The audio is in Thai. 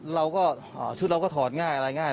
เราก็ชุดเราก็ถอดง่ายอะไรง่าย